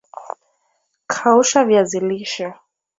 kausha viazi lishe